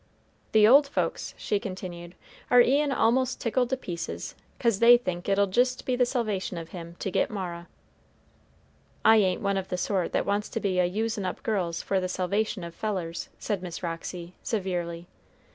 "The old folks," she continued, "are e'en a'most tickled to pieces, 'cause they think it'll jist be the salvation of him to get Mara." "I ain't one of the sort that wants to be a usin' up girls for the salvation of fellers," said Miss Roxy, severely.